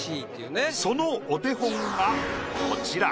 そのお手本がこちら。